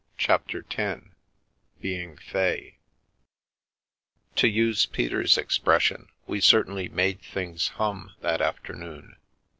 CHAPTER X BEING FEY TO use Peter's expression, we certainly "made things hum " that afternoon.